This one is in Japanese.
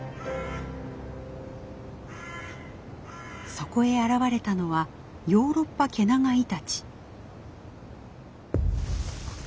そこへ現れたのはヨーロッパケナガイタチ。